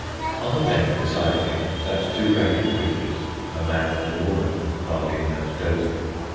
On the bench beside me sat two ragged creatures, a man and a woman, nodding and dozing.